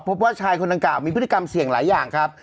พบว่าชายคนดังกล่าวมีพฤติกรรมเสี่ยงหลายอย่างครับ